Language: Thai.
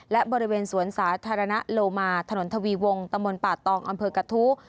และบริเวณสวนสาธารณะโลมาถนนทวีวงตะมนต์ป่าตองอำเภอกระทู้